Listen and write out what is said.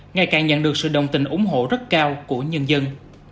ngày càng nhận được sự đồng tình ủng hộ rất cao của nhân dân